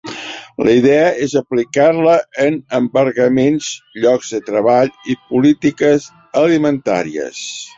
La idea és aplicar-la en embargaments, llocs de treball i polítiques alimentàries.